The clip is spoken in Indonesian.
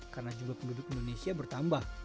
karena jumlah penduduk indonesia bertambah